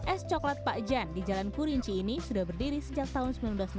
es coklat pak jan di jalan kurinci ini sudah berdiri sejak tahun seribu sembilan ratus enam puluh